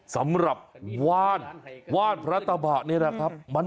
สำหรับว่านว่านพระตะบะนี่แหละครับ